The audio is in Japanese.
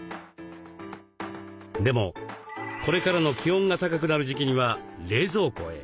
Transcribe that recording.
でもこれからの気温が高くなる時期には冷蔵庫へ。